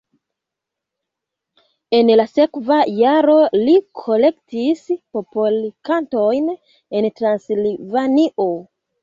En la sekva jaro li kolektis popolkantojn en Transilvanio.